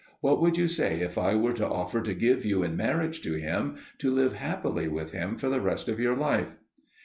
What would you say if I were to offer to give you in marriage to him, to live happily with him for the rest of your life?"